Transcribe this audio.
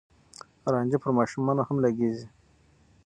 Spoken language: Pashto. رانجه پر ماشومانو هم لګېږي.